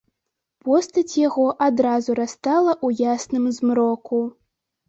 Постаць яго адразу растала ў ясным змроку.